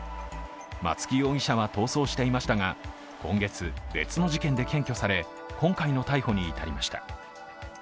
松木容疑者は逃走していましたが今月、別の事件で検挙され今回の逮捕に至りました。